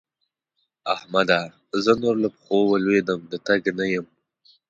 احمده! زه نور له پښو ولوېدم - د تګ نه یم.